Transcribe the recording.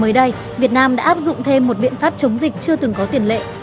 hôm nay việt nam đã áp dụng thêm một biện pháp chống dịch chưa từng có tiền lệ